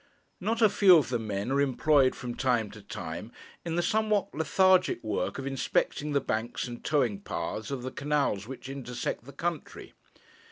Not a few of the men are employed from time to time in the somewhat lethargic work of inspecting the banks and towing paths of the canals which intersect the country.